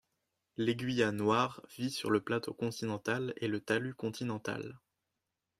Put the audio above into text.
L'aiguillat noir vit sur le plateau continental et le talus continental.